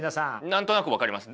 何となく分かります。